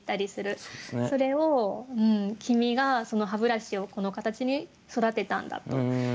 それをきみがその歯ブラシをこの形に育てたんだと。